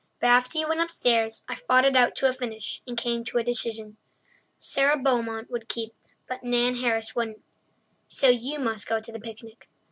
But after you went upstairs, I fought it out to a finish and came to a decision. Sara Beaumont would keep, but Nan Harris wouldn't, so you must go to the picnic.